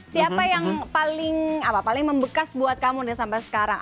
siapa yang paling membekas buat kamu deh sampai sekarang